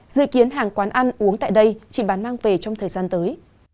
dự kiến hàng quán ăn uống tại đây chỉ bán mang về trong thời gian tới